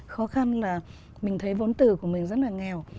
khó khăn là mình thấy vốn từ của mình rất là nghèo